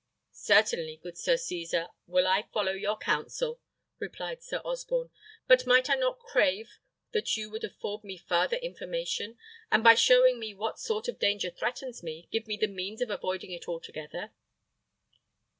"Certainly, good Sir Cesar, will I follow your counsel," replied Sir Osborne. "But might I not crave that you would afford me farther information, and by showing me what sort of danger threatens me, give me the means of avoiding it altogether?"